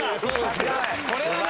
これはね